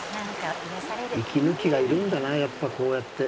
息抜きがいるんだなあやっぱこうやって。